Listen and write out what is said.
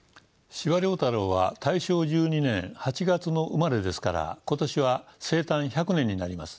司馬太郎は大正１２年８月の生まれですから今年は生誕１００年になります。